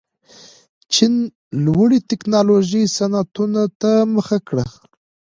چین لوړې تکنالوژۍ صنعتونو ته مخه کړه.